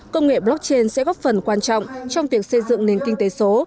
công nghệ blockchain sẽ góp phần quan trọng trong việc xây dựng nền kinh tế số